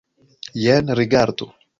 Jen, rigardu!